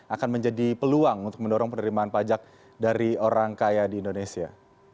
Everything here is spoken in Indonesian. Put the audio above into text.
akan menjadi peluang untuk mendorong penerimaan pajak dari orang kaya di indonesia